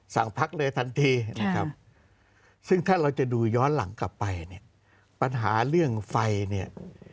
สั่งพักเลยทันทีค่ะซึ่งถ้าเราจะดูย้อนหลังกลับไปเนี่ย